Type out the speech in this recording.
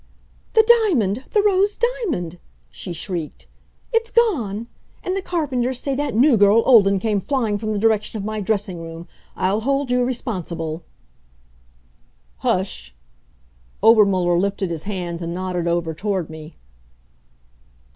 "The diamond, the rose diamond!" she shrieked. "It's gone! And the carpenters say that new girl Olden came flying from the direction of my dressing room. I'll hold you responsible " "Hush sh!" Obermuller lifted his hands and nodded over toward me.